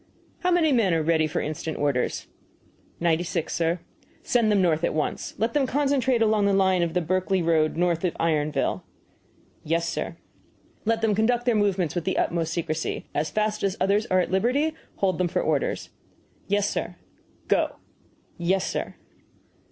"How many men are ready for instant orders?" "Ninety six, sir." "Send them north at once. Let them concentrate along the line of the Berkley road north of Ironville." "Yes, sir." "Let them conduct their movements with the utmost secrecy. As fast as others are at liberty, hold them for orders." "Yes, sir." "Go!" "Yes, sir."